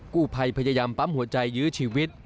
กู้ภัยพยายามปั๊มหัวใจยื้อชีวิต